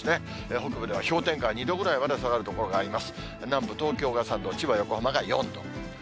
北部では氷点下２度ぐらいまで下がる所があります。